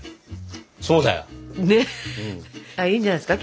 そうだよ。いいんじゃないですか？